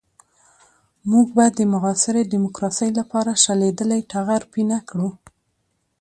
موږ به د معاصرې ديموکراسۍ لپاره شلېدلی ټغر پينه کړو.